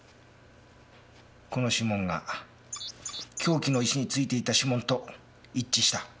この指紋が凶器の石についていた指紋と一致した。